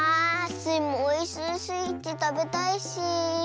スイもおいしいスイーツたべたいし。